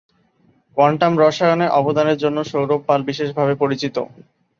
Quantum রসায়নে অবদানের জন্য সৌরভ পাল বিশেষভাবে পরিচিত।